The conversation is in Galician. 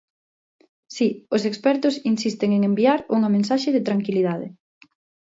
Si, os expertos insisten en enviar unha mensaxe de tranquilidade.